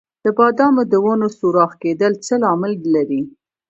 د بادامو د ونو سوراخ کیدل څه لامل لري؟